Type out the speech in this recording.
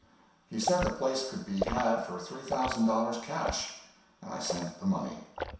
He said the place could be had for three thousand dollars cash, and I sent the money.